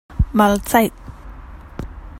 Mahlzeit!